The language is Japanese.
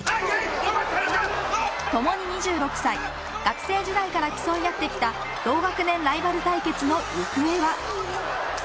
ともに２６歳学生時代から競い合ってきた同学年ライバル対決の行方は。